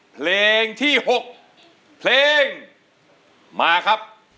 เพลงที่๖เพลงมาครับ